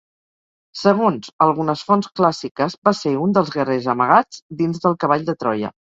Segons algunes fonts clàssiques, va ser un dels guerrers amagats dins del Cavall de Troia.